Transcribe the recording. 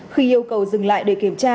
khi yêu cầu dừng lại để kiểm tra